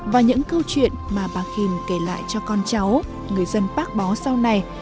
và những câu chuyện mà bà khin kể lại cho con cháu người dân bác bó sau này